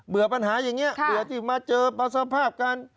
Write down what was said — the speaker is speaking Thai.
ปัญหาอย่างนี้เบื่อที่มาเจอสภาพการ